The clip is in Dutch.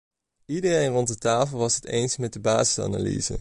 Iedereen rond de tafel was het eens met de basisanalyse.